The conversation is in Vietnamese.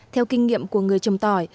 theo kinh nghiệm của người trầm tỏi